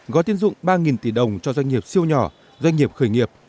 gói tiến dụng ba tỷ đồng cho doanh nghiệp siêu nhỏ doanh nghiệp khởi nghiệp